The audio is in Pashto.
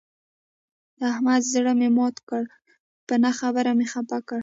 د احمد زړه مې مات کړ، په نه خبره مې خپه کړ.